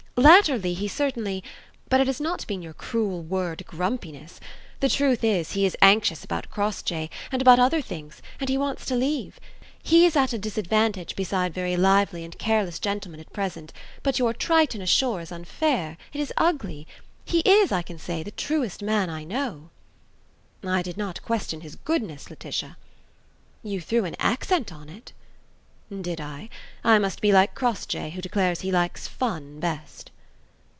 Latterly he certainly ... But it has not been your cruel word grumpiness. The truth is, he is anxious about Crossjay: and about other things; and he wants to leave. He is at a disadvantage beside very lively and careless gentlemen at present, but your 'Triton ashore' is unfair, it is ugly. He is, I can say, the truest man I know." "I did not question his goodness, Laetitia." "You threw an accent on it." "Did I? I must be like Crossjay, who declares he likes fun best."